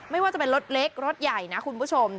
ไม่ว่าจะเป็นรถเล็กรถใหญ่นะคุณผู้ชม